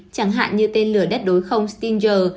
chẳng hạn như tên lửa đất đối không stinger